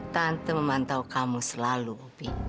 tante memantau kamu selalu bopi